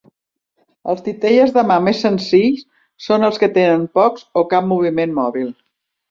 Els titelles de mà més senzills són els que tenen pocs o cap moviment mòbil.